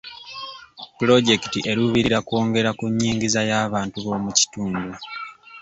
Pulojekiti eruubirira kwongera ku nnyingiza y'abantu b'omu kitundu.